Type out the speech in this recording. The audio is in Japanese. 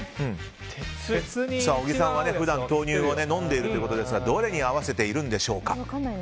小木さんは普段、豆乳を飲んでいるということですがどれに合わせているんでしょうか。